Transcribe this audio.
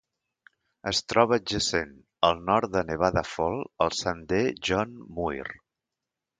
Es troba adjacent, al nord de Nevada Fall, al sender John Muir.